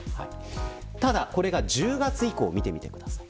ただ、これが１０月以降見てみてください。